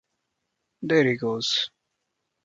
There he goes.